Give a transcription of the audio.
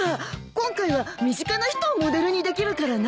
今回は身近な人をモデルにできるからな。